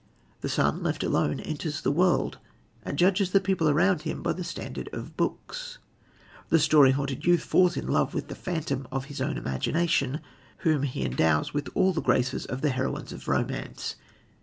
The son, left alone, enters the world, and judges the people around him by the standard of books. The story haunted youth falls in love with the phantom of his own imagination, whom he endows with all the graces of the heroines of romance.